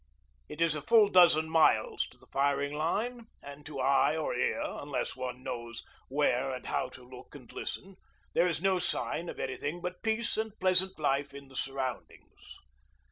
It is a full dozen miles to the firing line, and to eye or ear, unless one knows where and how to look and listen, there is no sign of anything but peace and pleasant life in the surroundings.